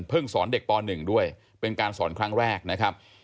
สอนเด็กป๑ด้วยเป็นการสอนครั้งแรกนะครับ